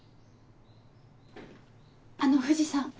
あの藤さん